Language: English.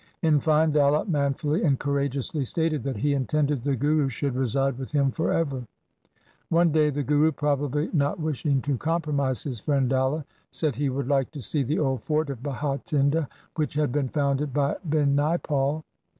In fine Dalla manfully and courageously stated that he intended the Guru should reside with him for ever. One day the Guru, probably not wishing to com promise his friend Dalla, said he would like to see the old fort of Bhatinda which had been founded by Binaipal.